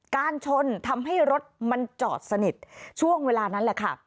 การชนทำให้รถมันจอดสนิทช่วงเวลานั้นแหละค่ะ